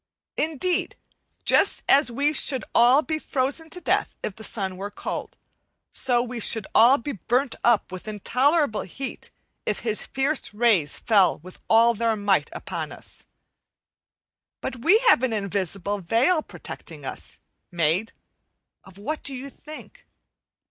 Indeed, just as we should all be frozen to death if the sun were sold, so we should all be burnt up with intolerable heat if his fierce rays fell with all their might upon us. But we have an invisible veil protecting us, made of what do you think?